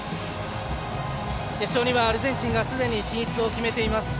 決勝にはアルゼンチンがすでに進出を決めています。